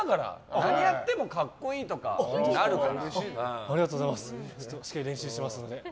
何やっても格好いいとかなるから。